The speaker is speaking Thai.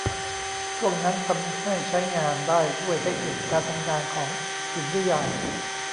ช่วงนั้นทำให้ใช้งานได้ด้วยเทคนิคการทำงานของหินนิยาย